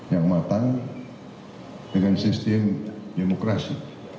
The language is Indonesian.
yang matang dengan sistem demokrasi